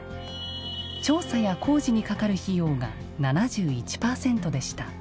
「調査や工事にかかる費用」が７１％でした。